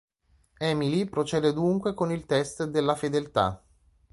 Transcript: Emily procede dunque con il test della fedeltà.